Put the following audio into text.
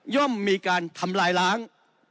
่อมมีการทำลายล้าง